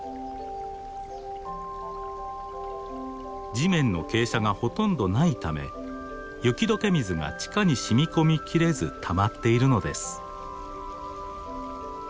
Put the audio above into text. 地面の傾斜がほとんどないため雪解け水が地下にしみ込みきれずたまっているのです。